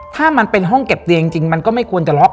ถ้ามันเป็นห้องเก็บเตียงจริงมันก็ไม่ควรจะล็อก